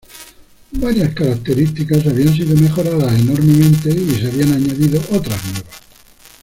Varias características habían sido mejoradas enormemente y se habían añadido otras nuevas.